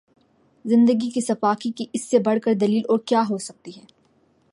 زندگی کی سفاکی کی اس سے بڑھ کر دلیل اور کیا ہوسکتی ہے